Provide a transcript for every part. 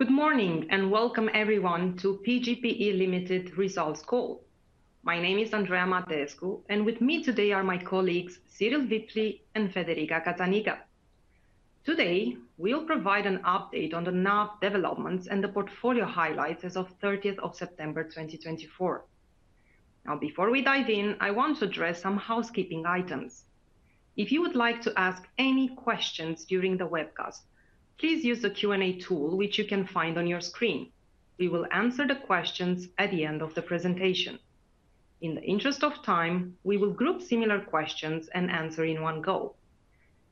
Good morning and welcome, everyone, to PGPE Limited Results Call. My name is Andreea Mateescu, and with me today are my colleagues Cyrill Wipfli and Federica Cazzaniga. Today, we'll provide an update on the NAV developments and the portfolio highlights as of 30 September 2024. Now, before we dive in, I want to address some housekeeping items. If you would like to ask any questions during the webcast, please use the Q&A tool, which you can find on your screen. We will answer the questions at the end of the presentation. In the interest of time, we will group similar questions and answer in one go.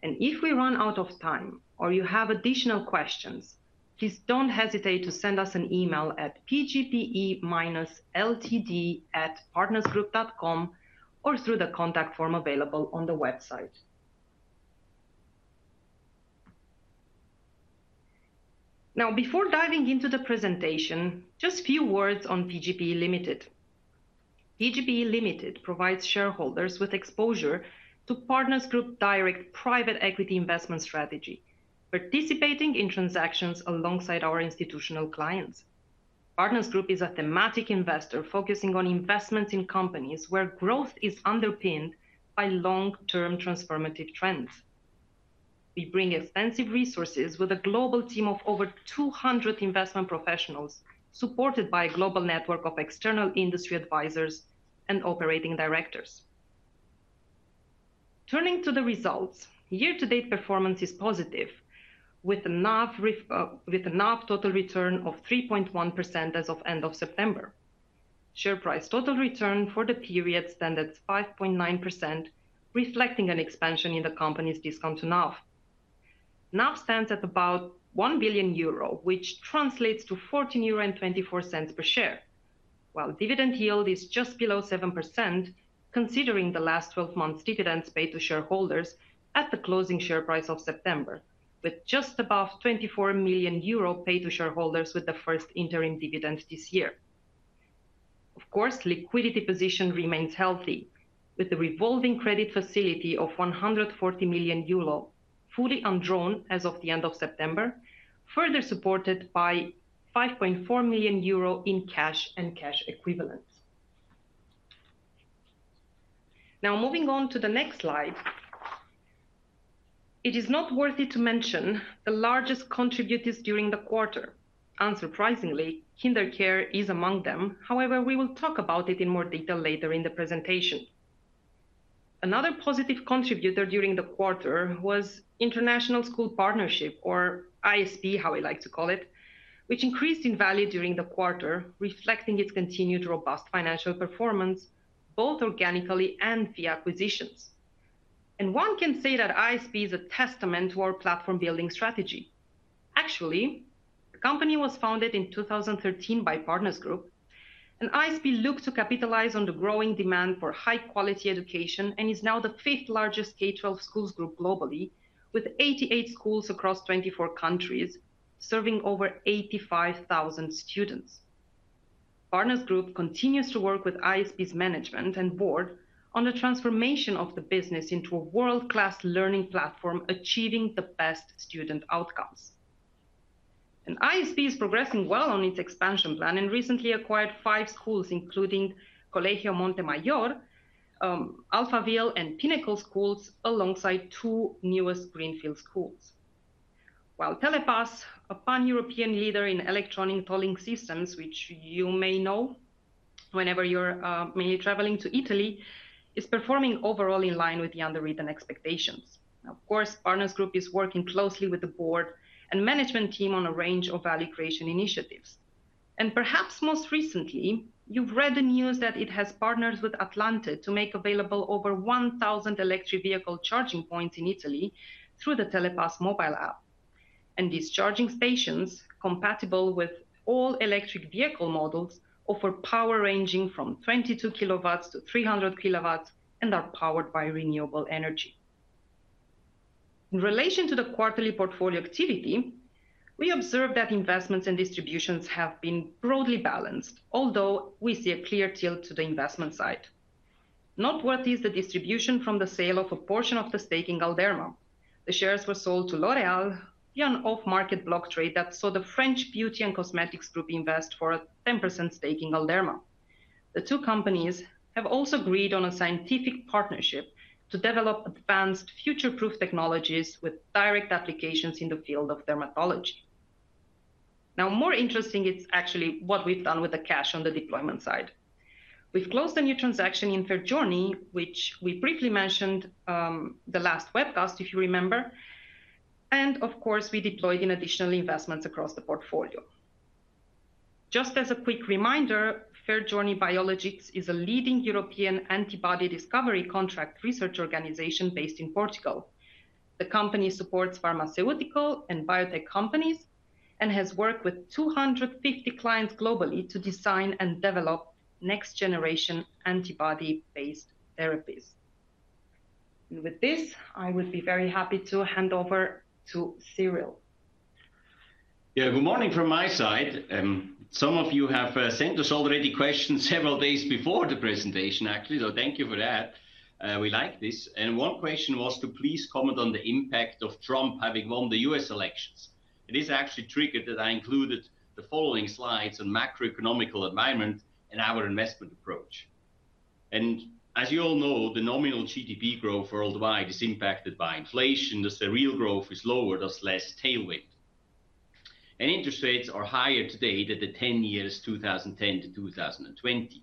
And if we run out of time or you have additional questions, please don't hesitate to send us an email at pgpe-ltd@partnersgroup.com or through the contact form available on the website. Now, before diving into the presentation, just a few words on PGPE Limited. PGPE Limited provides shareholders with exposure to Partners Group's direct private equity investment strategy, participating in transactions alongside our institutional clients. Partners Group is a thematic investor focusing on investments in companies where growth is underpinned by long-term transformative trends. We bring extensive resources with a global team of over 200 investment professionals supported by a global network of external industry advisors and operating directors. Turning to the results, year-to-date performance is positive, with a NAV total return of 3.1% as of end of September. Share price total return for the period stands at 5.9%, reflecting an expansion in the company's discount to NAV. NAV stands at about 1 billion euro, which translates to 14.24 euro per share, while dividend yield is just below 7%, considering the last 12 months' dividends paid to shareholders at the closing share price of September, with just above 24 million euro paid to shareholders with the first interim dividend this year. Of course, liquidity position remains healthy, with the revolving credit facility of 140 million euro fully undrawn as of the end of September, further supported by 5.4 million euro in cash and cash equivalents. Now, moving on to the next slide, it's worth mentioning the largest contributors during the quarter. Unsurprisingly, KinderCare is among them. However, we will talk about it in more detail later in the presentation. Another positive contributor during the quarter was International School Partnership, or ISP, how I like to call it, which increased in value during the quarter, reflecting its continued robust financial performance, both organically and via acquisitions, and one can say that ISP is a testament to our platform-building strategy. Actually, the company was founded in 2013 by Partners Group, and ISP looks to capitalize on the growing demand for high-quality education and is now the fifth-largest K-12 schools group globally, with 88 schools across 24 countries serving over 85,000 students. Partners Group continues to work with ISP's management and board on the transformation of the business into a world-class learning platform, achieving the best student outcomes, and ISP is progressing well on its expansion plan and recently acquired five schools, including Colegio Montemayor, Alphaville, and Pinnacle Schools, alongside two newest Greenfield schools. While Telepass, a pan-European leader in electronic tolling systems, which you may know whenever you're mainly traveling to Italy, is performing overall in line with the underwritten expectations. Of course, Partners Group is working closely with the board and management team on a range of value creation initiatives, and perhaps most recently, you've read the news that it has partnered with Atlante to make available over 1,000 electric vehicle charging points in Italy through the Telepass mobile app, and these charging stations, compatible with all electric vehicle models, offer power ranging from 22-300 kilowatts and are powered by renewable energy. In relation to the quarterly portfolio activity, we observed that investments and distributions have been broadly balanced, although we see a clear tilt to the investment side. Noteworthy is the distribution from the sale of a portion of the stake in Galderma. The shares were sold to L'Oréal, via an off-market block trade that saw the French beauty and cosmetics group invest for a 10% stake in Galderma. The two companies have also agreed on a scientific partnership to develop advanced future-proof technologies with direct applications in the field of dermatology. Now, more interesting is actually what we've done with the cash on the deployment side. We've closed a new transaction in FairJourney, which we briefly mentioned the last webcast, if you remember. And of course, we deployed additional investments across the portfolio. Just as a quick reminder, FairJourney Biologics is a leading European antibody discovery contract research organization based in Portugal. The company supports pharmaceutical and biotech companies and has worked with 250 clients globally to design and develop next-generation antibody-based therapies. And with this, I would be very happy to hand over to Cyrill. Yeah, good morning from my side. Some of you have sent us already questions several days before the presentation, actually, so thank you for that. We like this. One question was to please comment on the impact of Trump having won the U.S. elections. It actually triggered that I included the following slides on macroeconomic environment and our investment approach. As you all know, the nominal GDP growth worldwide is impacted by inflation, thus the real growth is lower, thus less tailwind. Interest rates are higher today than the 10 years 2010–2020.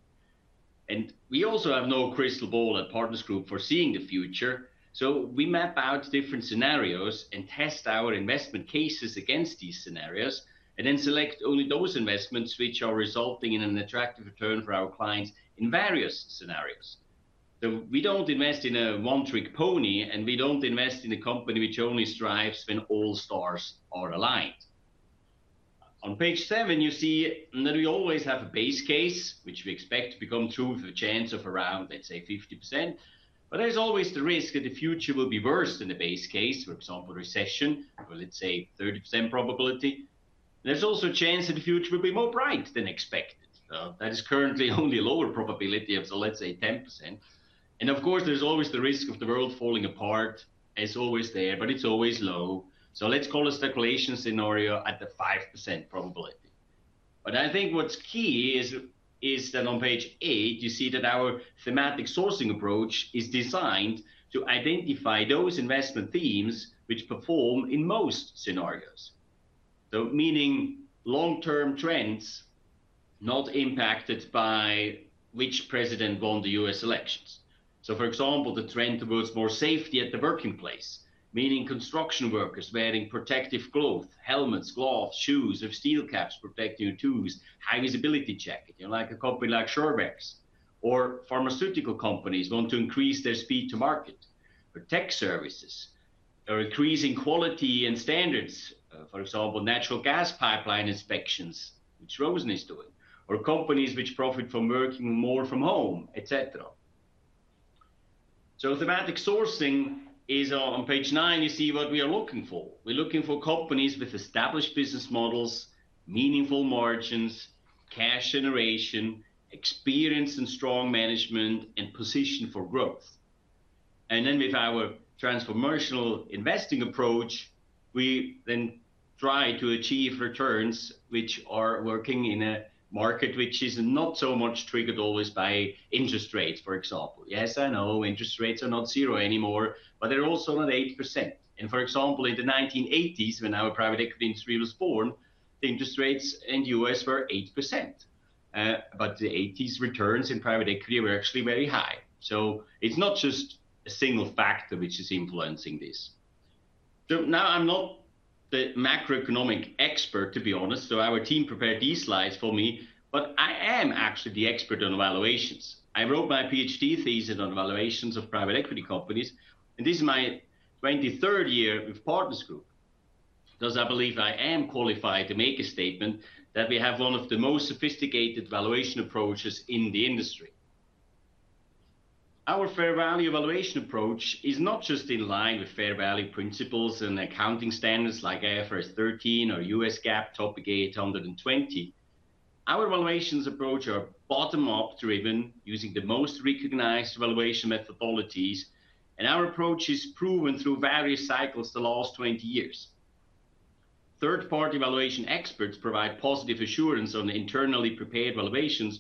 We also have no crystal ball at Partners Group for seeing the future, so we map out different scenarios and test our investment cases against these scenarios and then select only those investments which are resulting in an attractive return for our clients in various scenarios. So we don't invest in a one-trick pony, and we don't invest in a company which only strives when all stars are aligned. On page seven, you see that we always have a base case, which we expect to become true with a chance of around, let's say, 50%. But there's always the risk that the future will be worse than the base case, for example, a recession with, let's say, a 30% probability. There's also a chance that the future will be more bright than expected. That is currently only a lower probability of, let's say, 10%. And of course, there's always the risk of the world falling apart, as always there, but it's always low. So let's call a speculation scenario at the 5% probability. But I think what's key is that on page eight, you see that our thematic sourcing approach is designed to identify those investment themes which perform in most scenarios, meaning long-term trends not impacted by which president won the U.S. elections. So, for example, the trend towards more safety at the working place, meaning construction workers wearing protective clothes, helmets, gloves, shoes with steel caps protecting your toes, high-visibility jacket, like a company like SureWerx. Or pharmaceutical companies want to increase their speed to market, but tech services are increasing quality and standards, for example, natural gas pipeline inspections, which Rosen is doing, or companies which profit from working more from home, et cetera. So thematic sourcing is on page nine, you see what we are looking for. We're looking for companies with established business models, meaningful margins, cash generation, experience in strong management, and position for growth. And then with our transformational investing approach, we then try to achieve returns which are working in a market which is not so much triggered always by interest rates, for example. Yes, I know interest rates are not zero anymore, but they're also not 8%. And for example, in the 1980s, when our private equity industry was born, the interest rates in the U.S. were 8%. But the '80s returns in private equity were actually very high. So it's not just a single factor which is influencing this. So now I'm not the macroeconomic expert, to be honest, so our team prepared these slides for me, but I am actually the expert on valuations. I wrote my PhD thesis on valuations of private equity companies, and this is my 23rd year with Partners Group, thus I believe I am qualified to make a statement that we have one of the most sophisticated valuation approaches in the industry. Our fair value valuation approach is not just in line with fair value principles and accounting standards like IFRS 13 or US GAAP Topic 820. Our valuations approach are bottom-up driven, using the most recognized valuation methodologies, and our approach is proven through various cycles the last 20 years. Third-party valuation experts provide positive assurance on internally prepared valuations,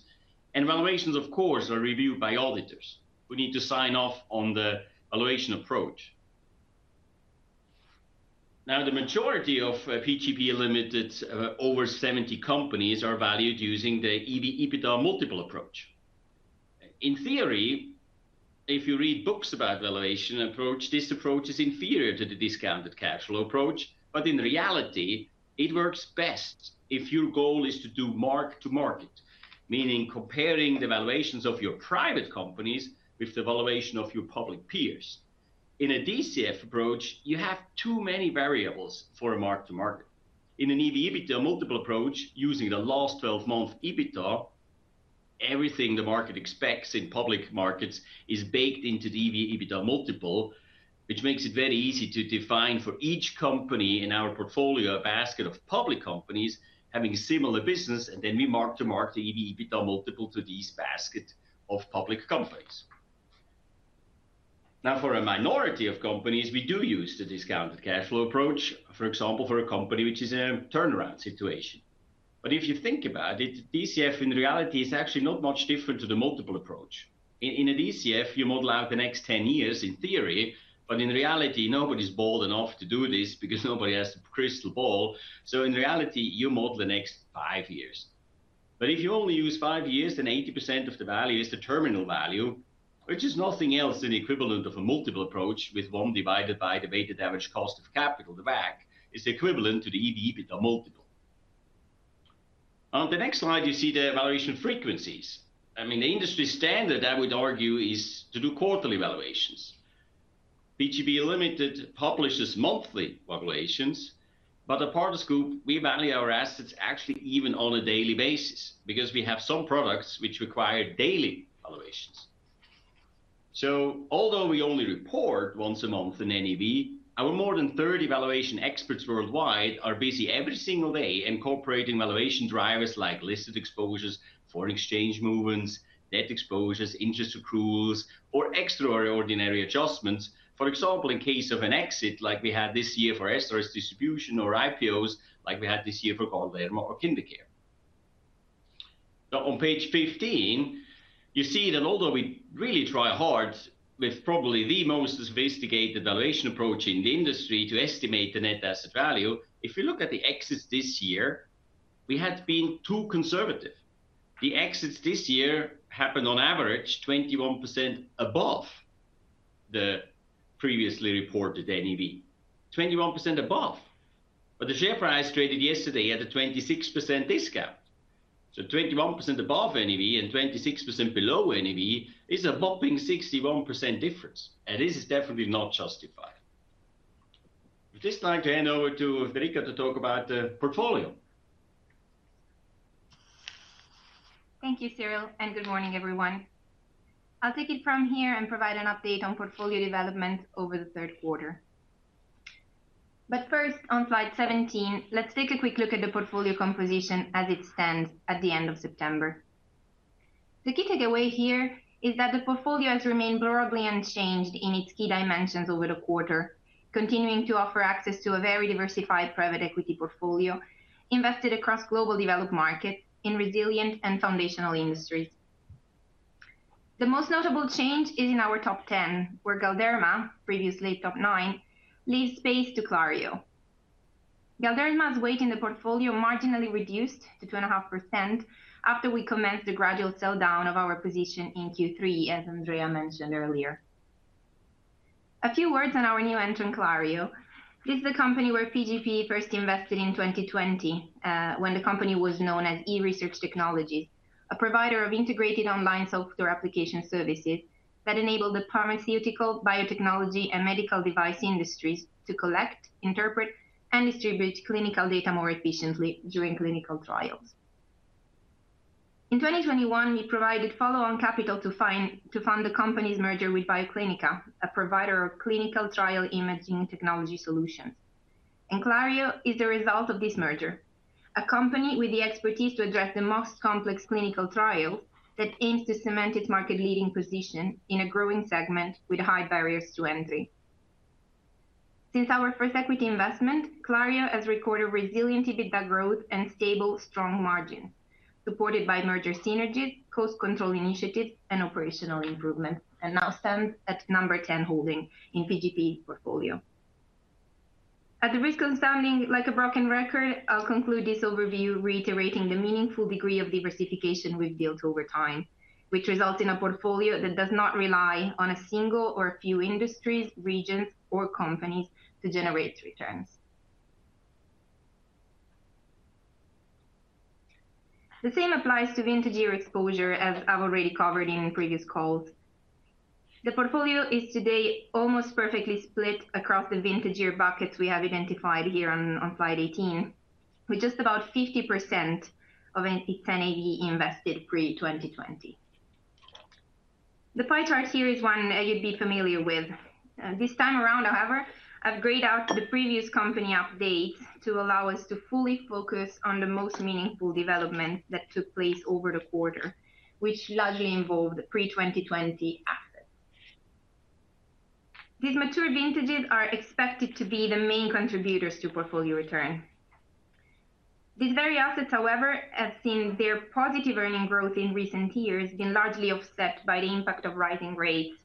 and valuations, of course, are reviewed by auditors who need to sign off on the valuation approach. Now, the majority of PGPE Limited's over 70 companies are valued using the EBITDA multiple approach. In theory, if you read books about valuation approach, this approach is inferior to the discounted cash flow approach, but in reality, it works best if your goal is to do mark-to-market, meaning comparing the valuations of your private companies with the valuation of your public peers. In a DCF approach, you have too many variables for a mark-to-market. In an EBITDA multiple approach, using the last 12-month EBITDA, everything the market expects in public markets is baked into the EBITDA multiple, which makes it very easy to define for each company in our portfolio a basket of public companies having similar business, and then we mark-to-market the EBITDA multiple to this basket of public companies. Now, for a minority of companies, we do use the discounted cash flow approach, for example, for a company which is in a turnaround situation. But if you think about it, DCF in reality is actually not much different to the multiple approach. In a DCF, you model out the next 10 years in theory, but in reality, nobody's bold enough to do this because nobody has a crystal ball. So in reality, you model the next five years. But if you only use five years, then 80% of the value is the terminal value, which is nothing else than the equivalent of a multiple approach with one divided by the weighted average cost of capital, the WACC, is equivalent to the EBITDA multiple. On the next slide, you see the valuation frequencies. I mean, the industry standard, I would argue, is to do quarterly valuations. PGPE Limited publishes monthly valuations, but at Partners Group, we value our assets actually even on a daily basis because we have some products which require daily valuations. So although we only report once a month in NAV, our more than 30 valuation experts worldwide are busy every single day incorporating valuation drivers like listed exposures, foreign exchange movements, debt exposures, interest accruals, or extraordinary adjustments, for example, in case of an exit like we had this year for SRS Distribution or IPOs like we had this year for Galderma or KinderCare. Now, on page 15, you see that although we really try hard with probably the most sophisticated valuation approach in the industry to estimate the net asset value, if you look at the exits this year, we had been too conservative. The exits this year happened on average 21% above the previously reported NAV, 21% above. But the share price traded yesterday had a 26% discount. So 21% above NAV and 26% below NAV is a whopping 61% difference, and this is definitely not justified. With this, I'd like to hand over to Federica to talk about the portfolio. Thank you, Cyrill, and good morning, everyone. I'll take it from here and provide an update on portfolio development over the third quarter. But first, on slide 17, let's take a quick look at the portfolio composition as it stands at the end of September. The key takeaway here is that the portfolio has remained broadly unchanged in its key dimensions over the quarter, continuing to offer access to a very diversified private equity portfolio invested across global developed markets in resilient and foundational industries. The most notable change is in our top 10, where Galderma, previously top nine, leaves space to Clario. Galderma's weight in the portfolio marginally reduced to 2.5% after we commenced the gradual sell down of our position in Q3, as Andrea mentioned earlier. A few words on our new entrant, Clario. This is the company where PGPE first invested in 2020 when the company was known as eResearchTechnology, a provider of integrated online software application services that enabled the pharmaceutical, biotechnology, and medical device industries to collect, interpret, and distribute clinical data more efficiently during clinical trials. In 2021, we provided follow-on capital to fund the company's merger with BioClinica, a provider of clinical trial imaging technology solutions, and Clario is the result of this merger, a company with the expertise to address the most complex clinical trials that aims to cement its market-leading position in a growing segment with high barriers to entry. Since our first equity investment, Clario has recorded resilient EBITDA growth and stable, strong margins supported by merger synergies, cost control initiatives, and operational improvements, and now stands at number 10 holding in PGPE's portfolio. At the risk of sounding like a broken record, I'll conclude this overview reiterating the meaningful degree of diversification we've built over time, which results in a portfolio that does not rely on a single or a few industries, regions, or companies to generate returns. The same applies to vintage year exposure, as I've already covered in previous calls. The portfolio is today almost perfectly split across the vintage year buckets we have identified here on slide 18, with just about 50% of its NAV invested pre-2020. The pie chart here is one you'd be familiar with. This time around, however, I've grayed out the previous company updates to allow us to fully focus on the most meaningful development that took place over the quarter, which largely involved pre-2020 assets. These mature vintages are expected to be the main contributors to portfolio return. These very assets, however, have seen their positive earnings growth in recent years being largely offset by the impact of rising rates,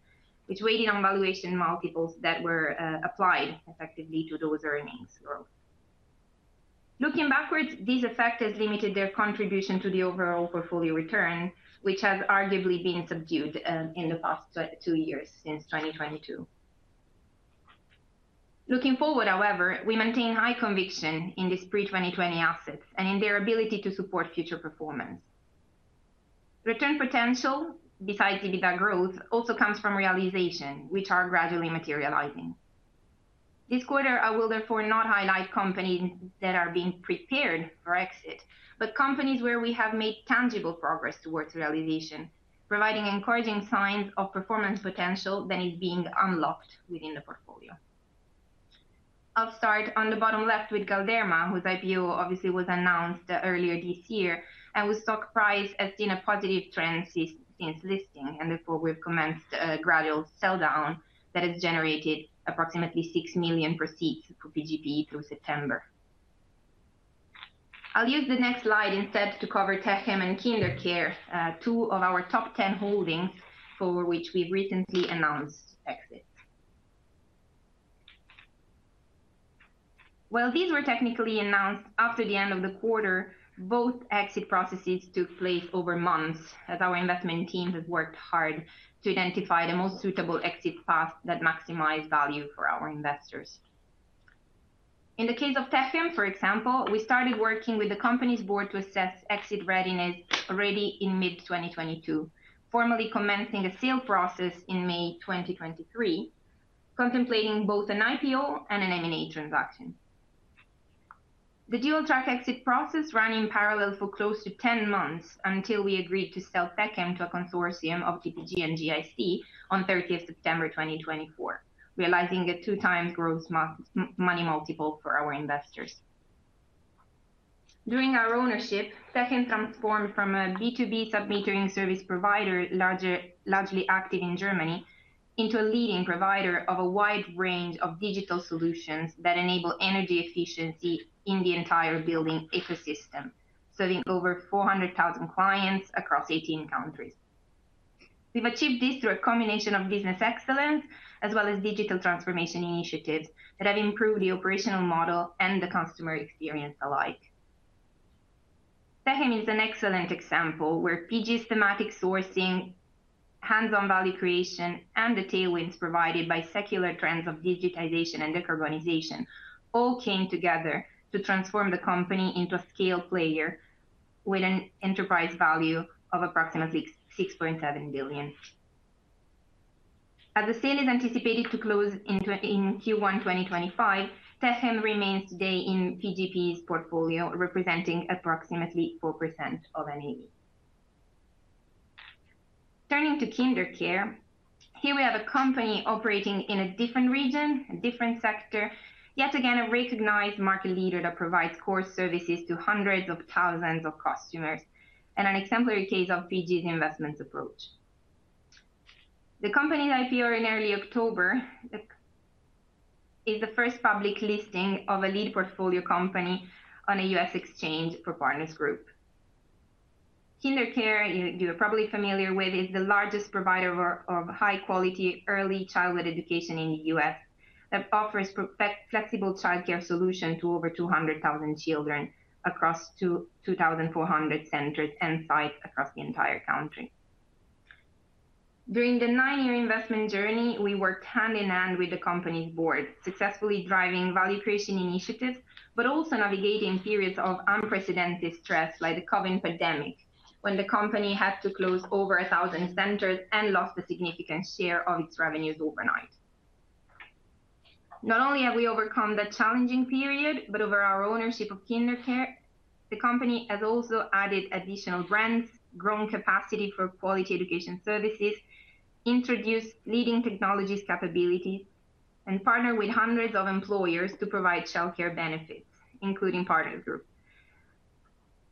which weighed on valuation multiples that were applied effectively to those earnings growth. Looking backwards, this effect has limited their contribution to the overall portfolio return, which has arguably been subdued in the past two years since 2022. Looking forward, however, we maintain high conviction in these pre-2020 assets and in their ability to support future performance. Return potential, besides EBITDA growth, also comes from realizations, which are gradually materializing. This quarter, I will therefore not highlight companies that are being prepared for exit, but companies where we have made tangible progress towards realization, providing encouraging signs of performance potential that is being unlocked within the portfolio. I'll start on the bottom left with Galderma, whose IPO obviously was announced earlier this year, and whose stock price has seen a positive trend since listing, and therefore we've commenced a gradual sell down that has generated approximately 6 million in proceeds for PGPE through September. I'll use the next slide instead to cover Techem and KinderCare, two of our top 10 holdings for which we've recently announced exits. While these were technically announced after the end of the quarter, both exit processes took place over months as our investment team has worked hard to identify the most suitable exit path that maximizes value for our investors. In the case of Techem, for example, we started working with the company's board to assess exit readiness already in mid-2022, formally commencing a sale process in May 2023, contemplating both an IPO and an M&A transaction. The dual-track exit process ran in parallel for close to 10 months until we agreed to sell Techem to a consortium of TPG and GIC on 30 September 2024, realizing a two-times gross money multiple for our investors. During our ownership, Techem transformed from a B2B submetering service provider largely active in Germany into a leading provider of a wide range of digital solutions that enable energy efficiency in the entire building ecosystem, serving over 400,000 clients across 18 countries. We've achieved this through a combination of business excellence as well as digital transformation initiatives that have improved the operational model and the customer experience alike. Techem is an excellent example where PG's thematic sourcing, hands-on value creation, and the tailwinds provided by secular trends of digitization and decarbonization all came together to transform the company into a scale player with an enterprise value of approximately 6.7 billion. As the sale is anticipated to close in Q1 2025, Techem remains today in PGPE's portfolio, representing approximately 4% of NAV. Turning to KinderCare, here we have a company operating in a different region, a different sector, yet again a recognized market leader that provides core services to hundreds of thousands of customers and an exemplary case of PG's investment approach. The company's IPO in early October is the first public listing of a lead portfolio company on a U.S. exchange for Partners Group. KinderCare, you are probably familiar with, is the largest provider of high-quality early childhood education in the U.S. that offers flexible childcare solutions to over 200,000 children across 2,400 centers and sites across the entire country. During the nine-year investment journey, we worked hand in hand with the company's board, successfully driving value creation initiatives, but also navigating periods of unprecedented stress like the COVID pandemic, when the company had to close over 1,000 centers and lost a significant share of its revenues overnight. Not only have we overcome that challenging period, but over our ownership of KinderCare, the company has also added additional brands, grown capacity for quality education services, introduced leading technologies capabilities, and partnered with hundreds of employers to provide childcare benefits, including Partners Group. And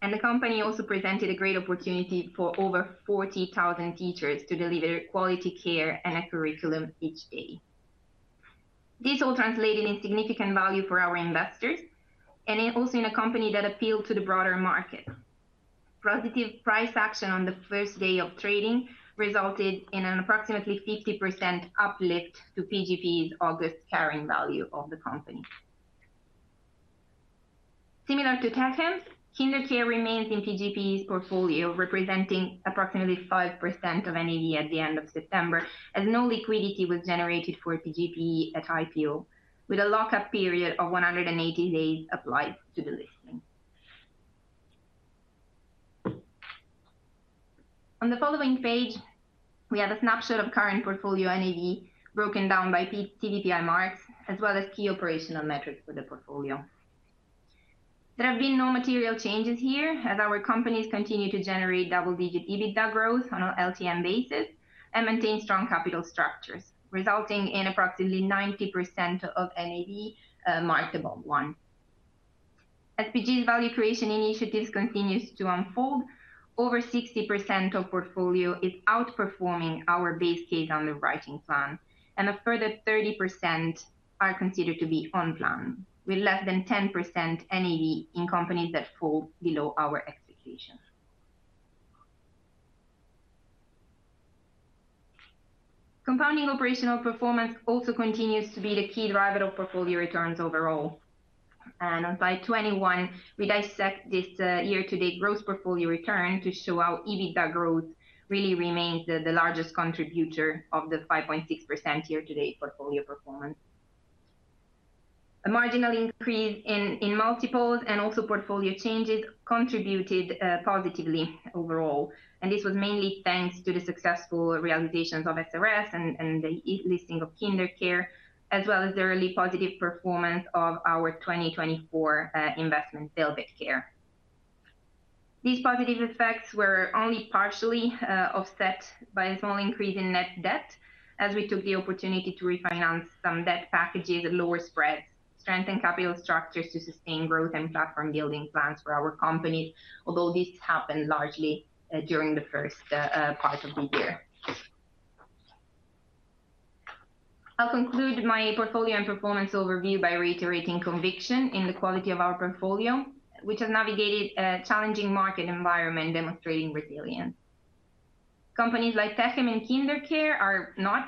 the company also presented a great opportunity for over 40,000 teachers to deliver quality care and a curriculum each day. This all translated in significant value for our investors and also in a company that appealed to the broader market. Positive price action on the first day of trading resulted in an approximately 50% uplift to PGPE's August carrying value of the company. Similar to Techem, KinderCare remains in PGPE's portfolio, representing approximately 5% of NAV at the end of September, as no liquidity was generated for PGPE at IPO, with a lock-up period of 180 days applied to the listing. On the following page, we have a snapshot of current portfolio NAV broken down by TVPI marks, as well as key operational metrics for the portfolio. There have been no material changes here, as our companies continue to generate double-digit EBITDA growth on an LTM basis and maintain strong capital structures, resulting in approximately 90% of NAV marked above one. As PG's value creation initiatives continue to unfold, over 60% of portfolio is outperforming our base case on the writing plan, and a further 30% are considered to be on plan, with less than 10% NAV in companies that fall below our expectations. Compounding operational performance also continues to be the key driver of portfolio returns overall, and on slide 21, we dissect this year-to-date gross portfolio return to show how EBITDA growth really remains the largest contributor of the 5.6% year-to-date portfolio performance. A marginal increase in multiples and also portfolio changes contributed positively overall, and this was mainly thanks to the successful realizations of SRS and the listing of KinderCare, as well as the early positive performance of our 2024 investment, VelvetCare. These positive effects were only partially offset by a small increase in net debt, as we took the opportunity to refinance some debt packages at lower spreads, strengthen capital structures to sustain growth, and platform building plans for our companies, although this happened largely during the first part of the year. I'll conclude my portfolio and performance overview by reiterating conviction in the quality of our portfolio, which has navigated a challenging market environment, demonstrating resilience. Companies like Techem and KinderCare are not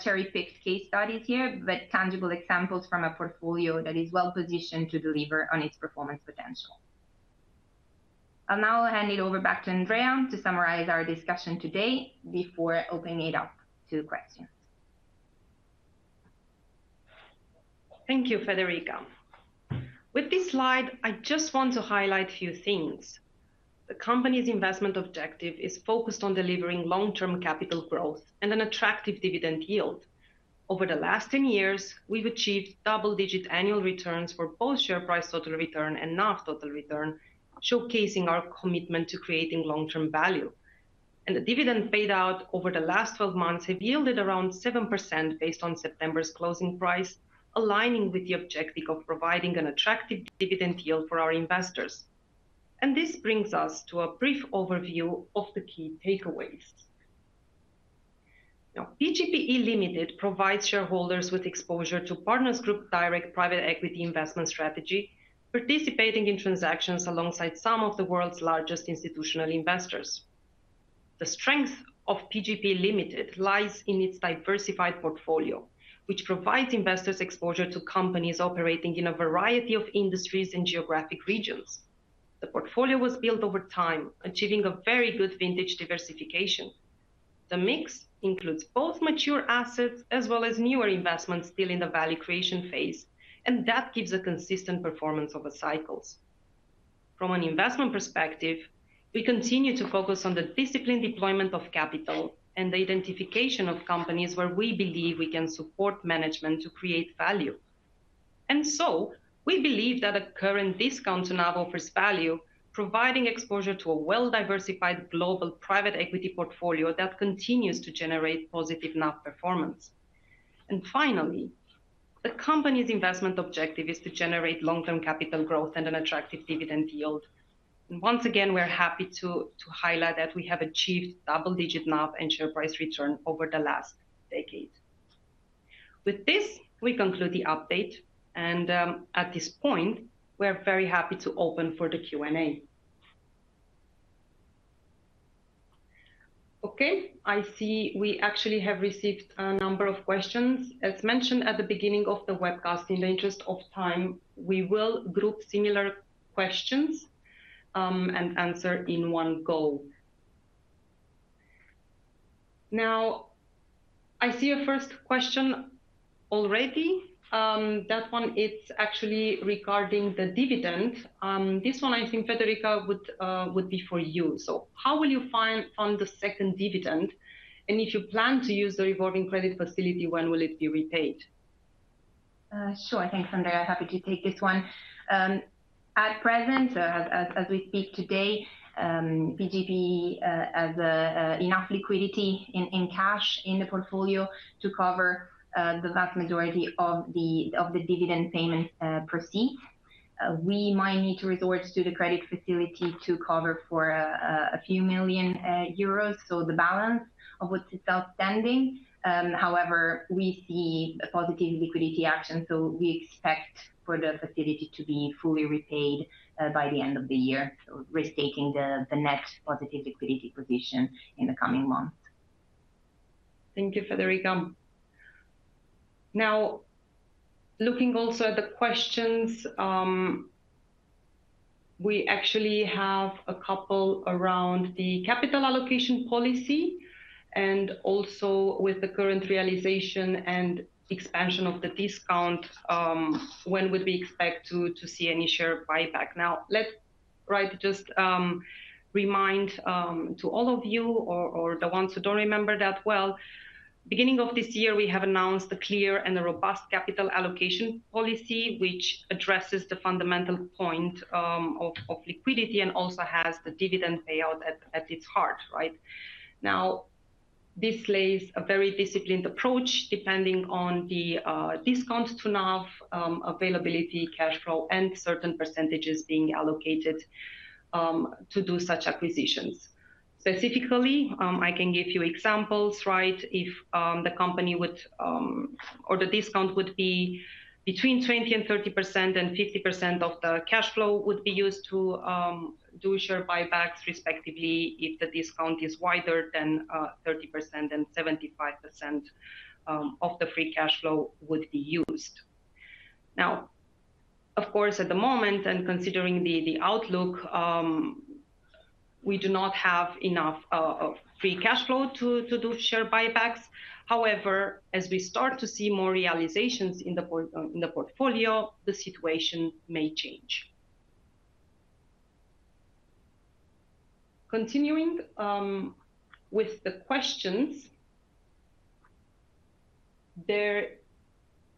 cherry-picked case studies here, but tangible examples from a portfolio that is well-positioned to deliver on its performance potential. I'll now hand it over back to Andrea to summarize our discussion today before opening it up to questions. Thank you, Federica. With this slide, I just want to highlight a few things. The company's investment objective is focused on delivering long-term capital growth and an attractive dividend yield. Over the last 10 years, we've achieved double-digit annual returns for both share price total return and NAV total return, showcasing our commitment to creating long-term value. And the dividend paid out over the last 12 months has yielded around 7% based on September's closing price, aligning with the objective of providing an attractive dividend yield for our investors. And this brings us to a brief overview of the key takeaways. Now, PGPE Limited provides shareholders with exposure to Partners Group's direct private equity investment strategy, participating in transactions alongside some of the world's largest institutional investors. The strength of PGPE Limited lies in its diversified portfolio, which provides investors exposure to companies operating in a variety of industries and geographic regions. The portfolio was built over time, achieving a very good vintage diversification. The mix includes both mature assets as well as newer investments still in the value creation phase, and that gives a consistent performance over cycles. From an investment perspective, we continue to focus on the disciplined deployment of capital and the identification of companies where we believe we can support management to create value, and so we believe that a current discount to NAV offers value, providing exposure to a well-diversified global private equity portfolio that continues to generate positive NAV performance. And finally, the company's investment objective is to generate long-term capital growth and an attractive dividend yield, and once again, we're happy to highlight that we have achieved double-digit NAV and share price return over the last decade. With this, we conclude the update, and at this point, we're very happy to open for the Q&A. Okay, I see we actually have received a number of questions. As mentioned at the beginning of the webcast, in the interest of time, we will group similar questions and answer in one go. Now, I see a first question already. That one, it's actually regarding the dividend. This one, I think, Federica, would be for you. So how will you fund the second dividend? And if you plan to use the revolving credit facility, when will it be repaid? Sure, I think, Andrea, I'm happy to take this one. At present, as we speak today, PGPE has enough liquidity in cash in the portfolio to cover the vast majority of the dividend payment proceeds. We might need to resort to the credit facility to cover for a few million EUR, so the balance of what's outstanding. However, we see a positive liquidity action, so we expect for the facility to be fully repaid by the end of the year, so restating the net positive liquidity position in the coming months. Thank you, Federica. Now, looking also at the questions, we actually have a couple around the capital allocation policy, and also with the current realization and expansion of the discount, when would we expect to see any share buyback? Now, let's just remind all of you, or the ones who don't remember that well, beginning of this year, we have announced a clear and a robust capital allocation policy, which addresses the fundamental point of liquidity and also has the dividend payout at its heart, right? Now, this lays a very disciplined approach, depending on the discount to NAV, availability, cash flow, and certain percentages being allocated to do such acquisitions. Specifically, I can give you examples, right? If the company would, or the discount would be between 20% and 30%, and 50% of the cash flow would be used to do share buybacks, respectively, if the discount is wider than 30%, then 75% of the free cash flow would be used. Now, of course, at the moment, and considering the outlook, we do not have enough free cash flow to do share buybacks. However, as we start to see more realizations in the portfolio, the situation may change. Continuing with the questions, there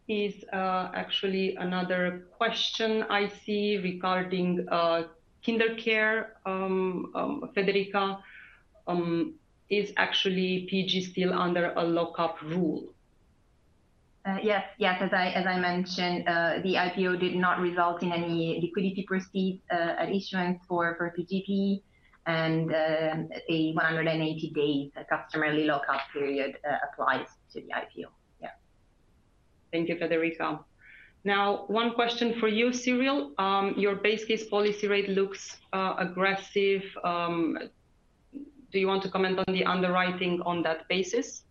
is actually another question I see regarding KinderCare. Federica, is actually PG still under a lock-up rule? Yes, yes, as I mentioned, the IPO did not result in any liquidity proceeds at issuance for PGPE, and a 180-day customer lock-up period applies to the IPO. Yeah. Thank you, Federica. Now, one question for you, Cyrill. Your base case policy rate looks aggressive. Do you want to comment on the underwriting on that basis?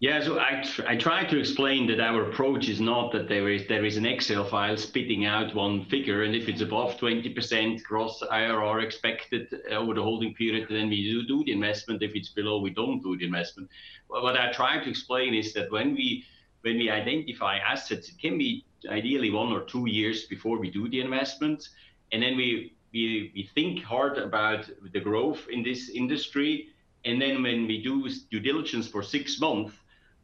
Yeah, so I tried to explain that our approach is not that there is an Excel file spitting out one figure, and if it's above 20% gross IRR expected over the holding period, then we do the investment. If it's below, we don't do the investment. What I tried to explain is that when we identify assets, it can be ideally one or two years before we do the investment, and then we think hard about the growth in this industry. And then when we do due diligence for six months,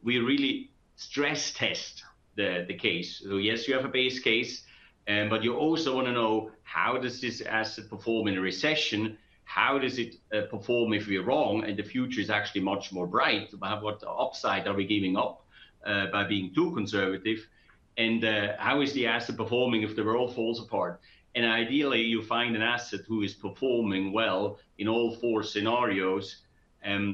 we really stress test the case. So yes, you have a base case, but you also want to know how does this asset perform in a recession, how does it perform if we're wrong, and the future is actually much more bright. What upside are we giving up by being too conservative, and how is the asset performing if the world falls apart? And ideally, you find an asset who is performing well in all four scenarios.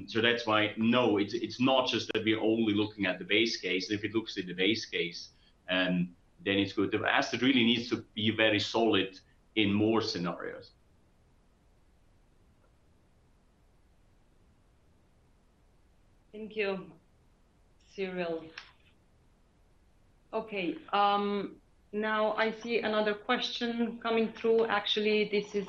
So that's why no, it's not just that we're only looking at the base case. If it looks at the base case, then it's good. The asset really needs to be very solid in more scenarios. Thank you, Cyrill. Okay, now I see another question coming through. Actually, this is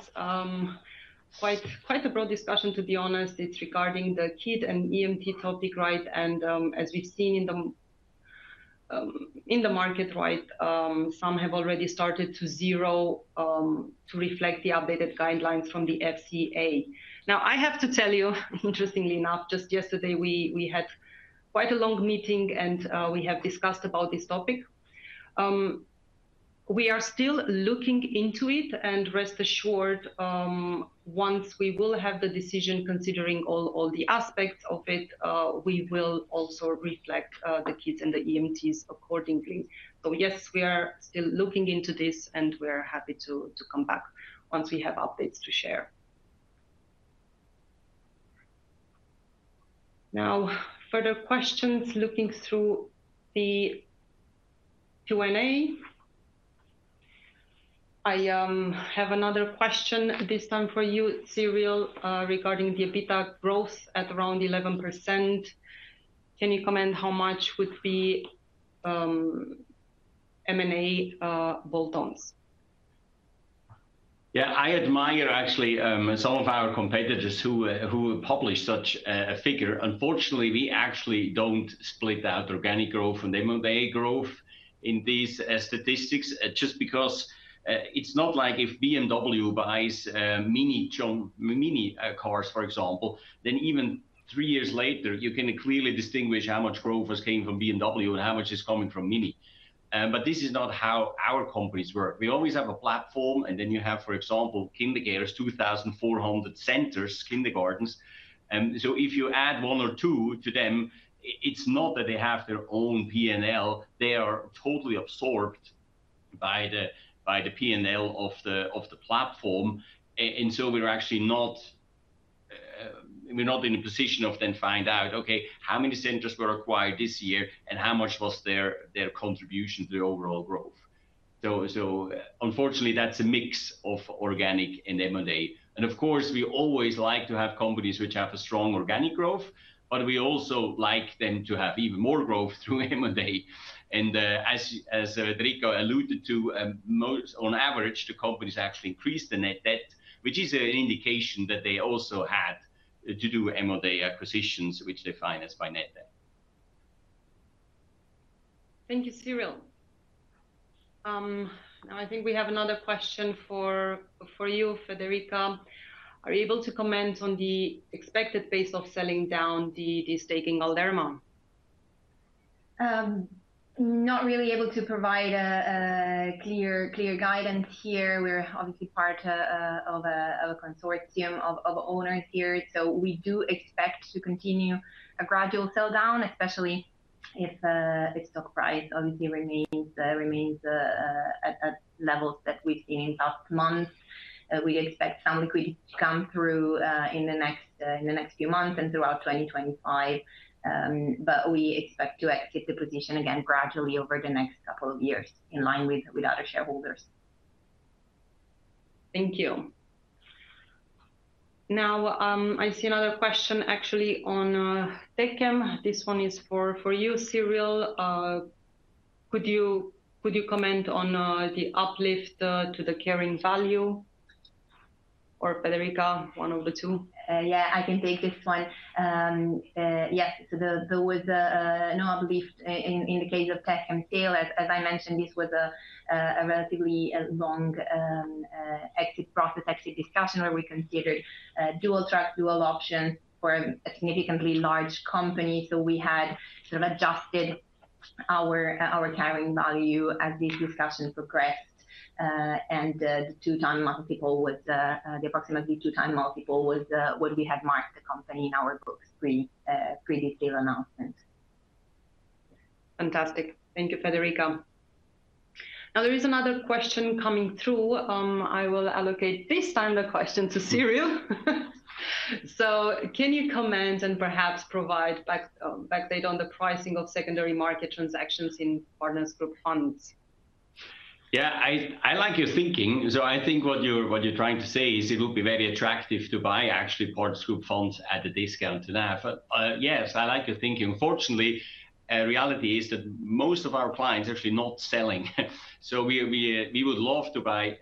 quite a broad discussion, to be honest. It's regarding the KID and EMT topic, right? And as we've seen in the market, right, some have already started to zero to reflect the updated guidelines from the FCA. Now, I have to tell you, interestingly enough, just yesterday, we had quite a long meeting, and we have discussed about this topic. We are still looking into it, and rest assured, once we will have the decision, considering all the aspects of it, we will also reflect the KIDs and the EMTs accordingly. So yes, we are still looking into this, and we're happy to come back once we have updates to share. Now, further questions looking through the Q&A. I have another question this time for you, Cyrill, regarding the EBITDA growth at around 11%. Can you comment how much would be M&A bolt-ons? Yeah, I admire actually some of our competitors who published such a figure. Unfortunately, we actually don't split out organic growth and M&A growth in these statistics, just because it's not like if BMW buys Mini cars, for example, then even three years later, you can clearly distinguish how much growth has come from BMW and how much is coming from Mini. But this is not how our companies work. We always have a platform, and then you have, for example, KinderCare, 2,400 centers, kindergartens. So if you add one or two to them, it's not that they have their own P&L. They are totally absorbed by the P&L of the platform. And so we're actually not in a position of then finding out, okay, how many centers were acquired this year, and how much was their contribution to the overall growth? So unfortunately, that's a mix of organic and M&A. Of course, we always like to have companies which have a strong organic growth, but we also like them to have even more growth through M&A. As Federica alluded to, on average, the companies actually increase the net debt, which is an indication that they also had to do M&A acquisitions, which they finance by net debt. Thank you, Cyrill. Now, I think we have another question for you, Federica. Are you able to comment on the expected pace of selling down the stake in Galderma? Not really able to provide a clear guidance here. We're obviously part of a consortium of owners here, so we do expect to continue a gradual sell down, especially if the stock price obviously remains at levels that we've seen in the past months. We expect some liquidity to come through in the next few months and throughout 2025, but we expect to exit the position again gradually over the next couple of years in line with other shareholders. Thank you. Now, I see another question actually on Techem. This one is for you, Cyrill. Could you comment on the uplift to the carrying value, or Federica, one of the two? Yeah, I can take this one. Yes, so there was no uplift in the case of Techem still. As I mentioned, this was a relatively long exit process, exit discussion where we considered dual track, dual options for a significantly large company. So we had sort of adjusted our carrying value as this discussion progressed, and the approximately two-time multiple was what we had marked the company in our books, pre-deal announcement. Fantastic. Thank you, Federica. Now, there is another question coming through. I will allocate this time the question to Cyrill. So can you comment and perhaps provide background on the pricing of secondary market transactions in Partners Group Funds? Yeah, I like your thinking. So I think what you're trying to say is it would be very attractive to buy actually Partners Group Funds at the discount to NAV. Yes, I like your thinking. Unfortunately, reality is that most of our clients are actually not selling. So we would love to buy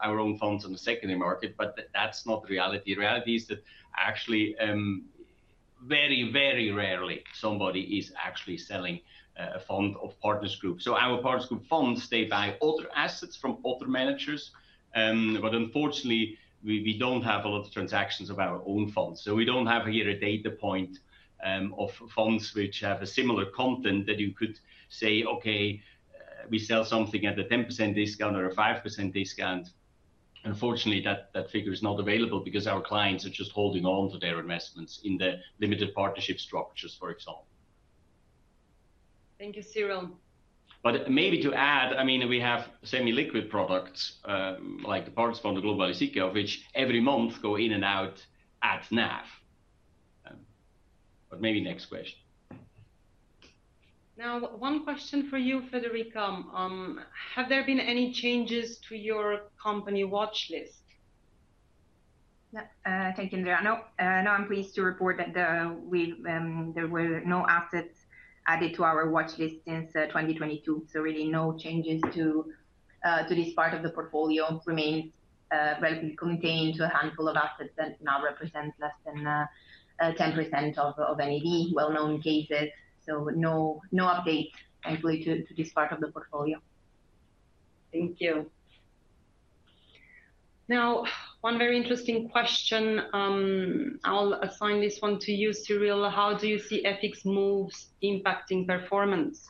our own funds on the secondary market, but that's not the reality. Reality is that actually very, very rarely somebody is actually selling a fund of Partners Group. So our Partners Group Funds, they buy other assets from other managers, but unfortunately, we don't have a lot of transactions of our own funds. We don't have here a data point of funds which have a similar content that you could say, okay, we sell something at a 10% discount or a 5% discount. Unfortunately, that figure is not available because our clients are just holding on to their investments in the limited partnership structures, for example. Thank you, Cyrill. But maybe to add, I mean, we have semi-liquid products like the Partners Fund and Global Income, which every month go in and out at NAV. But maybe next question. Now, one question for you, Federica. Have there been any changes to your company watchlist? Thank you, Andrea. No, I'm pleased to report that there were no assets added to our watchlist since 2022. So really no changes to this part of the portfolio. It remains relatively contained to a handful of assets that now represent less than 10% of NAV. So no update, thankfully, to this part of the portfolio. Thank you. Now, one very interesting question. I'll assign this one to you, Cyrill. How do you see FX moves impacting performance?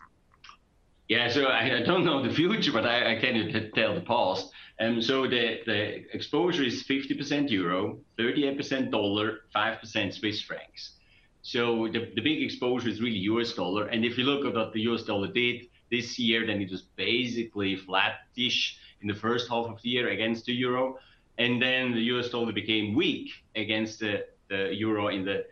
Yeah, so I don't know the future, but I can tell the past. So the exposure is 50% euro, 38% dollar, 5% Swiss francs. So the big exposure is really US dollar. And if you look at what the US dollar did this year, then it was basically flattish in the first half of the year against the euro. And then the US dollar became weak against the euro in the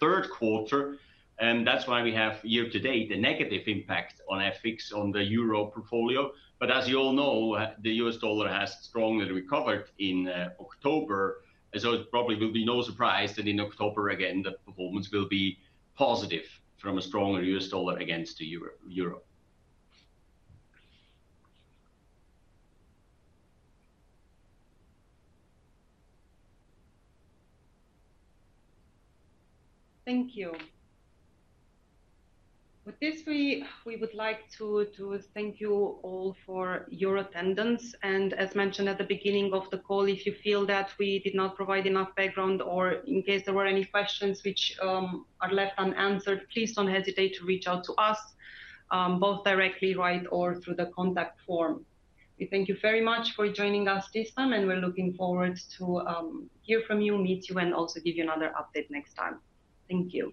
third quarter. And that's why we have year-to-date a negative impact on FX on the euro portfolio. But as you all know, the US dollar has strongly recovered in October. So it probably will be no surprise that in October again, the performance will be positive from a stronger U.S. dollar against the euro. Thank you. With this, we would like to thank you all for your attendance. And as mentioned at the beginning of the call, if you feel that we did not provide enough background or in case there were any questions which are left unanswered, please don't hesitate to reach out to us, both directly, right, or through the contact form. We thank you very much for joining us this time, and we're looking forward to hear from you, meet you, and also give you another update next time. Thank you.